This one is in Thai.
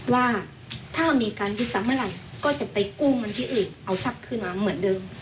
ว่าถ้ามีการยึดทรัพย์เมื่อไหร่ก็จะไปกู้เงินที่อื่นเอาทรัพย์คืนมาเหมือนเดิม